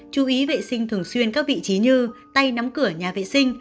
chú ý vệ sinh thường xuyên các vị trí như tay nắm cửa nhà vệ sinh